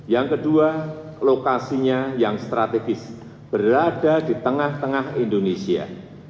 yang kedua lokasinya yang strategis berada di tengah tengah indonesia